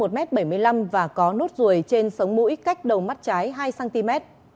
đối tượng này có nốt ruồi trên sống mũi cách đầu mắt trái hai cm